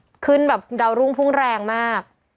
แต่เขาตกลงกันไว้แล้วว่าเออไม่ต้องรู้ว่าเราคบกันแบบไหนได้เอ็นโดฟินก็มา